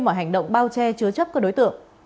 mọi hành động bao che chứa chấp các đối tượng